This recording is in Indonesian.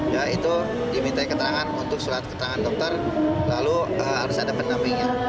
ya itu diminta keterangan untuk surat keterangan dokter lalu harus ada pendampingnya